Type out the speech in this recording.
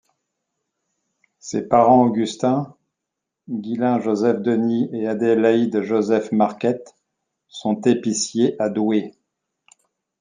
Ses parents Augustin, Guislain Joseph Denis et Adélaide Josephe Marquette sont épiciers à Douai.